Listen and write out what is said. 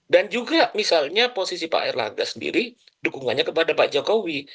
juga misalnya posisi pak erlangga sendiri dukungannya kepada pak jokowi